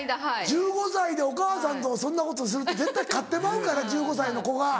１５歳でお母さんとそんなことすると絶対勝ってまうから１５歳の子が。